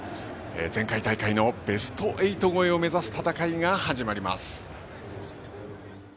前回大会のベスト８超えを目指す戦いが始まります。